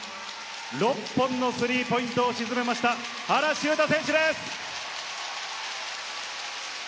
６本のスリーポイントを沈めました、原修太選手です。